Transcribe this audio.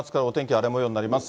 荒れもようになります。